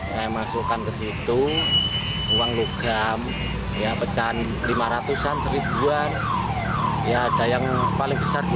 saya masukkan ke situ uang logam ya pecahan lima ratus an seribuan ya ada yang paling besar